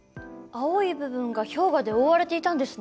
青い部分が氷河で覆われていたんですね。